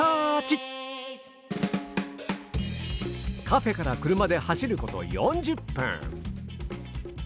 カフェから車で走ること４０分。